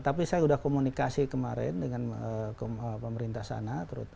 tapi saya sudah komunikasi kemarin dengan pemerintah sana